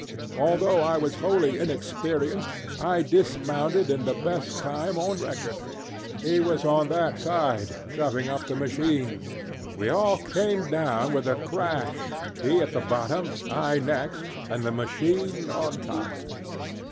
Although I was wholly inexperienced, I dismounted in the best time on record. He was on that side, shoving up the machine; we all came down with a crash, he at the bottom, I next, and the machine on top.